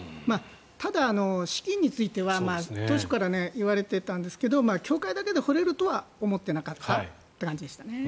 ただ、資金については当初から言われていたんですが教会だけで掘れるとは思ってなかった感じでしたね。